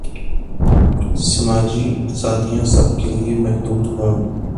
سماجی آزادیاں سب کیلئے محدود ہوں۔